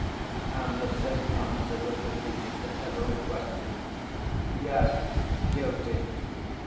And the same answer was repeated to every question: "Yes, guilty!"